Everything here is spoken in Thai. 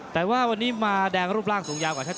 แต่ว่าวันนี้มาเดินรูปร่างสูงยาวกับทหาร